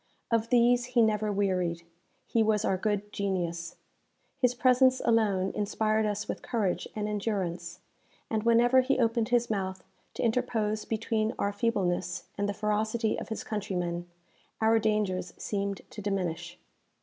Of these he never wearied. He was our good genius. His presence alone inspired us with courage and endurance; and whenever he opened his mouth to interpose between our feebleness and the ferocity of his countrymen, our dangers seemed to diminish.